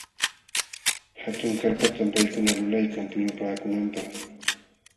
Hatun karpatam paykuna lulaykan puñupaakunanpaq.